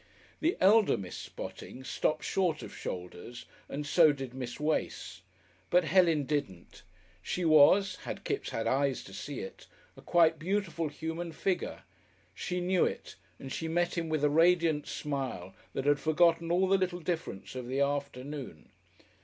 The elder Miss Botting stopped short of shoulders, and so did Miss Wace. But Helen didn't. She was had Kipps had eyes to see it a quite beautiful human figure; she knew it and she met him with a radiant smile that had forgotten all the little difference of the afternoon.